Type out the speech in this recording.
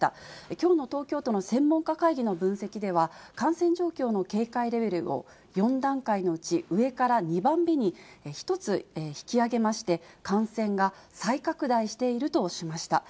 きょうの東京都の専門家会議の分析では、感染状況の警戒レベルを４段階のうち、上から２番目に１つ引き上げまして、感染が再拡大しているとしました。